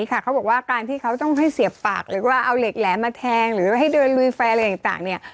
หรือว่าให้เดินลุยไฟอะไรอย่างต่างเนี่ย